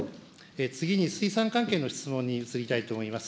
次に水産関係の質問に移りたいと思います。